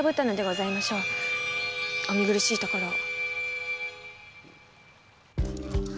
お見苦しいところを。